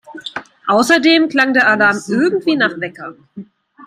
Außerdem klang der Alarm irgendwie nach … Wecker!